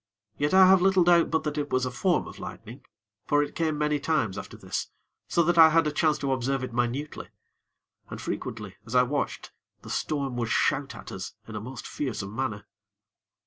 Yet I have little doubt but that it was a form of lightning; for it came many times after this, so that I had chance to observe it minutely. And frequently, as I watched, the storm would shout at us in a most fearsome manner.